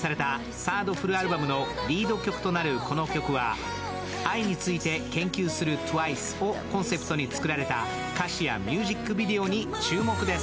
このアルバムは「愛について研究するＴＷＩＣＥ」をコンセプトに作られた歌詞やミュージックビデオに注目です。